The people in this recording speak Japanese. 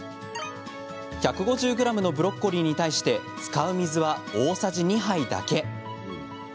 １５０ｇのブロッコリーに対して使う水は、大さじ２杯だけ。